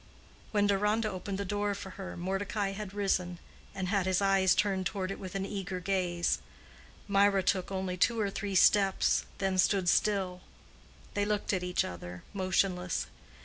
When Deronda opened the door for her, Mordecai had risen, and had his eyes turned toward it with an eager gaze. Mirah took only two or three steps, and then stood still. They looked at each other, motionless.